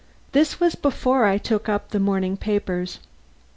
This was before I took up the morning papers.